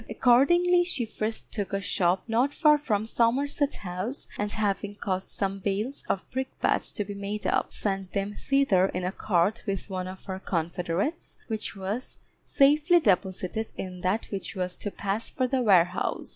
Accordingly she first took a shop not far from Somerset House, and having caused some bales of brick bats to be made up, sent them thither in a cart with one of her confederates, which was safely deposited in that which was to pass for the warehouse.